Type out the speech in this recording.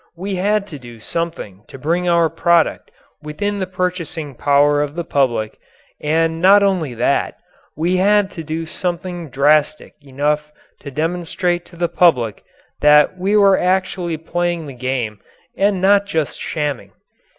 We had to do something to bring our product within the purchasing power of the public, and not only that, we had to do something drastic enough to demonstrate to the public that we were actually playing the game and not just shamming.